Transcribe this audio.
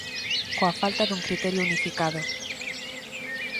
Coa falta dun criterio unificado.